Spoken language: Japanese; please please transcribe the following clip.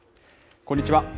こんにちは。